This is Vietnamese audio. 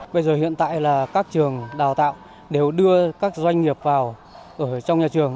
bây giờ hiện tại là các trường đào tạo đều đưa các doanh nghiệp vào trong nhà trường